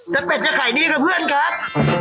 แต่เป็ดก็ขายดีกับเพื่อนครับ